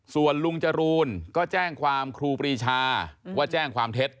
ส่วนลุงจรูนก็แจ้งความครูปรีชาว่าแจ้งความเท็จ